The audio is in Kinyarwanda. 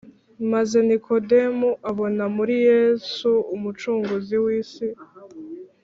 maze Nikodemo abona muri Yesu Umucunguzi w’isi